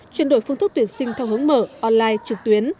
chuyển đổi phương thức tuyển sinh theo hướng mở online trực tuyến